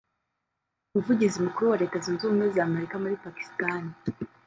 Umuvugizi Mukuru wa Leta Zunze Ubumwe z’Amerika muri Pakistan